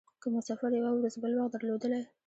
که مو سفر یوه ورځ بل وخت درلودلای.